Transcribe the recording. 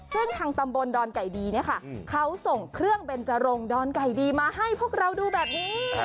ซึ่งทางตำบลดอนไก่ดีเนี่ยค่ะเขาส่งเครื่องเบนจรงดอนไก่ดีมาให้พวกเราดูแบบนี้